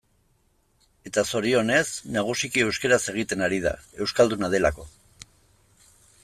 Eta zorionez, nagusiki euskaraz egiten ari da, euskalduna delako.